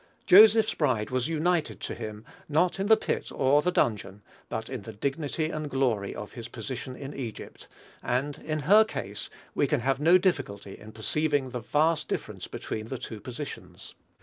Joseph's bride was united to him, not in the pit or the dungeon, but in the dignity and glory of his position in Egypt; and, in her case, we can have no difficulty in perceiving the vast difference between the two positions.